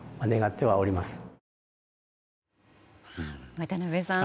渡辺さん